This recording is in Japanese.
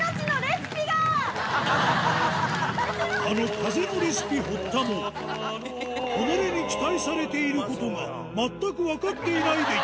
あの風のレシピ堀田もおのれに期待されていることが全く分かっていない